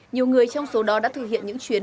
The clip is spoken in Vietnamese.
nhiều người trong số đó đã thực hiện những chuyến